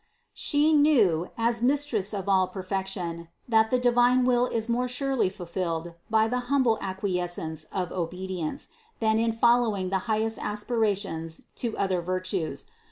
She knew, as Mistress of all perfection, that the divine will is more surely fulfilled by the humble acquies cence of obedience, than in following the highest aspira THE CONCEPTION 365 tions to other virtues.